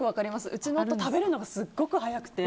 うちの夫、食べるのがすごく速くて。